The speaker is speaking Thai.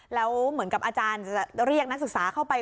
แล้วเหมือนกับอาจารย์จะเรียกนักศึกษาเข้าไป